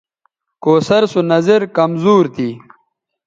کوثر سو نظِر کمزور تھی